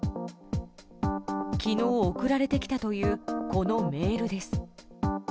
昨日、送られてきたというこのメールです。